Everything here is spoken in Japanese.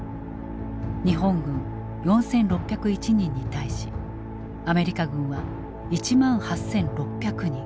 日本軍４，６０１人に対しアメリカ軍は１万８，６００人。